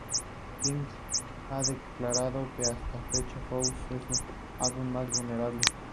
Luego se crearon unas zonas industriales en el este de la isla.